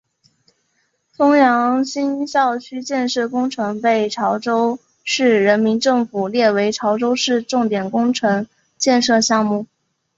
枫洋新校区建设工程被潮州市人民政府列为潮州市重点工程建设项目。